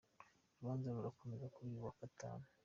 Urubanza rurakomeza kuri uyu wa Gatanu.